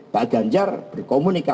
pak ganjar berkomunikasi